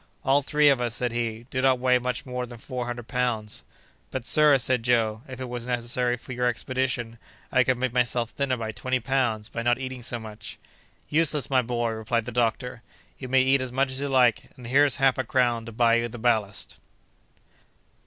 "All three of us," said he, "do not weigh much more than four hundred pounds." "But, sir," said Joe, "if it was necessary for your expedition, I could make myself thinner by twenty pounds, by not eating so much." "Useless, my boy!" replied the doctor. "You may eat as much as you like, and here's half a crown to buy you the ballast."